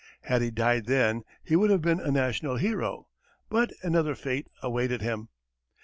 Had he died then, he would have been a national hero but another fate awaited him!